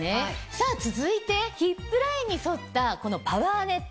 さぁ続いてヒップラインに沿ったこのパワーネット。